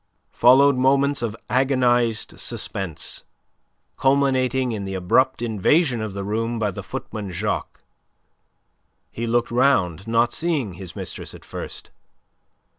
Followed moments of agonized suspense, culminating in the abrupt invasion of the room by the footman Jacques. He looked round, not seeing his mistress at first.